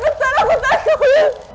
cepetan aku tangguh ya